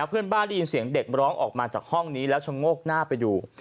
เพื่อนบ้านได้ยินเสียงเด็กร้องออกมาจากห้องนี้แล้วชะโงกหน้าไปดู